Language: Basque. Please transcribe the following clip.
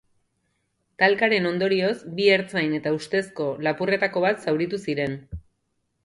Talkaren ondorioz, bi ertzain eta ustezko lapurretako bat zauritu ziren.